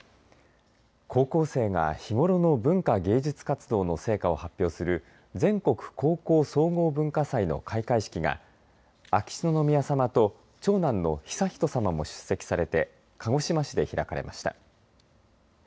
高校生が日ごろの文化・芸術活動の成果を発表する全国高校総合文化祭の開会式が秋篠宮さまと長男の悠仁さまも出席されて鹿児島市で開かれました。